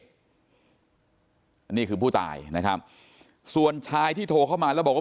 อันนี้คือผู้ตายนะครับส่วนชายที่โทรเข้ามาแล้วบอกว่า